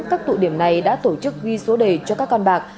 các tụ điểm này đã tổ chức ghi số đề cho các con bạc